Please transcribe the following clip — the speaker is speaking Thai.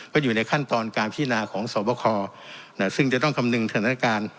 ก็อยู่ในขั้นตอนการพินาของสวบคซึ่งจะต้องคำนึงสถานการณ์